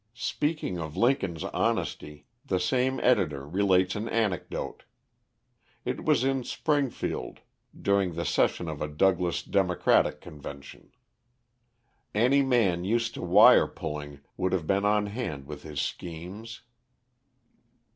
Speaking of Lincoln's honesty, the same editor relates an anecdote. It was in Springfield, during the session of a Douglas Democratic convention. Any man used to wire pulling would have been on hand with his schemes.